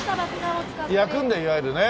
焼くんだいわゆるね。